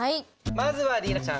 まずは莉奈ちゃん。